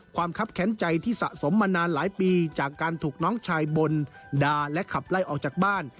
คับแค้นใจที่สะสมมานานหลายปีจากการถูกน้องชายบ่นด่าและขับไล่ออกจากบ้าน